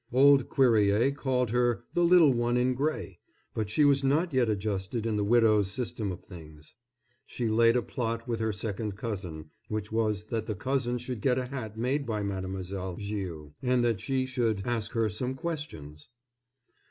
Old Cuerrier called her "the little one in gray." But she was not yet adjusted in the widow's system of things. She laid a plot with her second cousin, which was that the cousin should get a hat made by Mademoiselle Viau, and that she should ask her some questions.